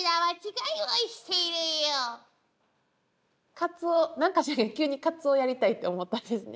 カツオ何か知らないけど急にカツオやりたいって思ったんですね。